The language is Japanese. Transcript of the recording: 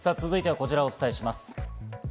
続いては、こちらをお伝えします。